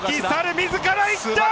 自ら行った！